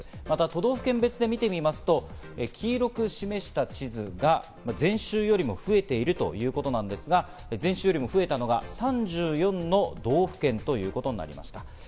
またの都道府県別で見てみますと、黄色く示した地図が前週よりも増えているということなんですが、前週よりも増えたのが３４の道府県ということになりました。